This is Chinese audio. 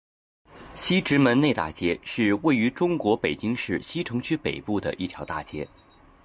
西直门内大街是位于中国北京市西城区北部的一条大街。